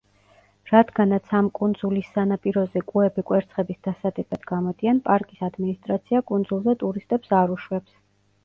რადგანაც ამ კუნძულის სანაპიროზე კუები კვერცხების დასადებად გამოდიან, პარკის ადმინისტრაცია კუნძულზე ტურისტებს არ უშვებს.